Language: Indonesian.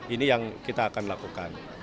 ini yang kita akan lakukan